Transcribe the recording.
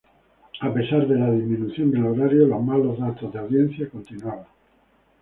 A pesar de la disminución del horario, los malos datos de audiencia continuaban.